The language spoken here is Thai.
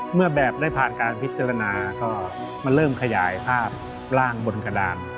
แบบได้ผ่านการพิจารณาก็มันเริ่มขยายภาพร่างบนกระดาน